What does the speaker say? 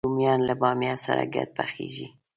رومیان له بامیه سره ګډ پخېږي